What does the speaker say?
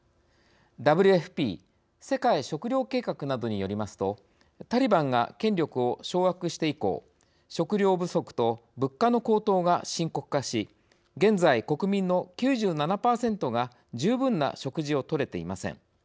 ＷＦＰ・世界食糧計画などによりますとタリバンが権力を掌握して以降食料不足と物価の高騰が深刻化し現在国民の９７％が十分な食事をとれていません。